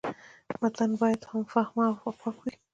متن باید عام فهمه او پاک وي.